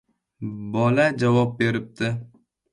Bola javob beribdi: